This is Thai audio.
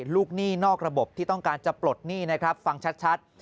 หนี้นอกระบบที่ต้องการจะปลดหนี้นะครับฟังชัด